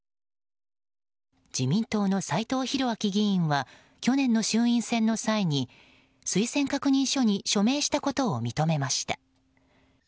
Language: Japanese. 自民党の斎藤洋明議員は去年の衆院選の際に推薦確認書に署名したことを認めました。